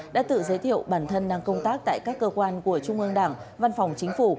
đã tự giới thiệu bản thân đang công tác tại các cơ quan của trung ương đảng văn phòng chính phủ